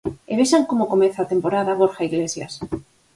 E vexan como comeza a temporada Borja Iglesias.